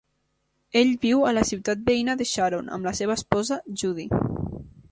Ell viu a la ciutat veïna de Sharon, amb la seva esposa Judy.